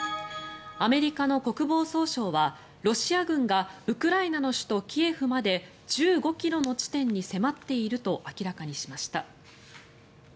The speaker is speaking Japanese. アメリカの国防総省はロシア軍がウクライナの首都キエフまで１５ｋｍの地点に迫っていると明らかにしました。